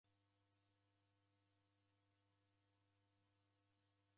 Ivo vidoi vedudugha.